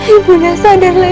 ibu anda sadarlah